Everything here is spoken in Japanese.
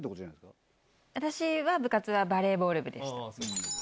私は部活はバレーボール部でした。